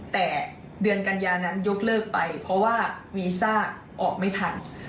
แต่เดือนกัญญานั้นยกเลิกไปเพราะว่าวีซ่าออกไม่ทัน